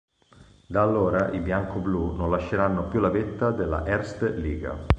Da allora, i bianco-blu non lasceranno più la vetta della Erste Liga.